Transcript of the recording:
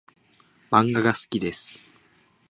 漫画が好きです